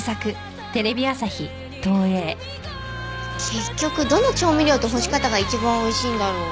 結局どの調味料と干し方が一番おいしいんだろう？